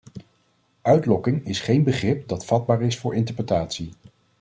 Uitlokking is geen begrip dat vatbaar is voor interpretatie.